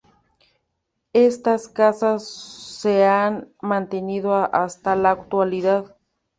Estas casas se han mantenido hasta la actualidad.